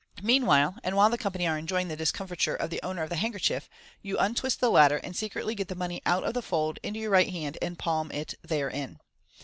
Meanwhile, and while the company are en joying the discomfiture of the owner of the handkerchief, you untwist the latter, and secretly get the money out of the fold into your right hand, and palm it therein.